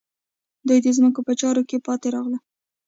دوی د ځمکو په چارو کې پاتې راغلل.